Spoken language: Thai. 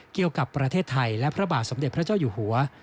เกี่ยวกับประเทศไทยและพระบาทสมเด็จพระเจ้าอยู่หัว